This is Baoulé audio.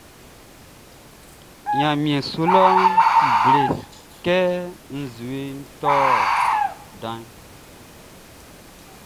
Ɲanmiɛn su lɔʼn ti ble kɛ nzueʼn tɔ danʼn.